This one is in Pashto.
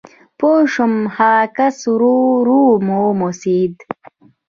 پوه شوم، هغه کس ورو ورو وموسېد.